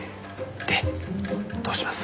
でどうします？